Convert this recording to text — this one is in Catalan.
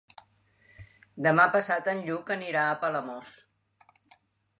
Demà passat en Lluc anirà a Palamós.